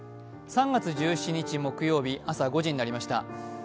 ３月１７日木曜日朝５時になりました。